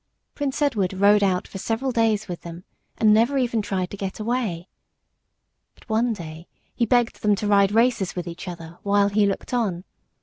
Prince Edward rode out for several days with them and never even tried to get away. But one day he begged them to ride races with each other, while he looked on.